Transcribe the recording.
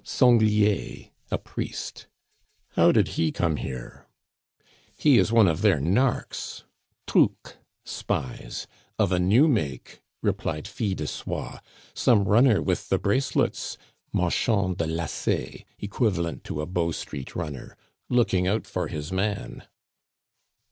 (sanglier, a priest). How did he come here?" "He is one of their 'narks'" (trucs, spies) "of a new make," replied Fil de Soie, "some runner with the bracelets" (marchand de lacets equivalent to a Bow Street runner) "looking out for his man."